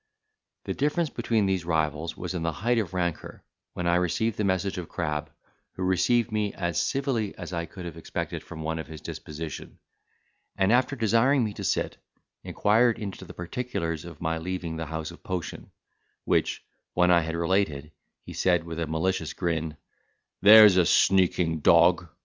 The difference between these rivals was in the height of rancour, when I received the message of Crab, who received me as civilly as I could have expected from one of his disposition; and, after desiring me to sit, inquired into the particulars of my leaving the house of Potion; which when I had related, he said, with a malicious grin, "There's a sneaking dog!